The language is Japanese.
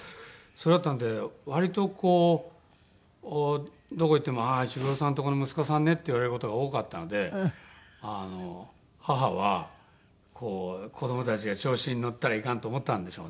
それだったんで割とこうどこ行っても「石黒さんのとこの息子さんね」って言われる事が多かったので母は子どもたちが調子に乗ったらいかんと思ったんでしょうね。